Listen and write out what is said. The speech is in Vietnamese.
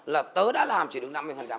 là tớ đã làm chỉ được năm mươi